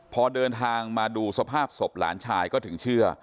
พอเดินทางมาดูสภาพศพหลานชายก็ถึงเชื่อ